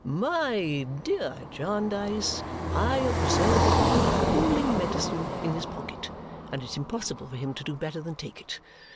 "My dear Jarndyce, I observed a bottle of cooling medicine in his pocket, and it's impossible for him to do better than take it.